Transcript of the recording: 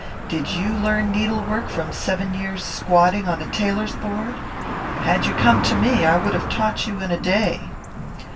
Did you learn needlework from seven years' squatting on a tailor's board? Had you come to me, I would have taught you in a day.'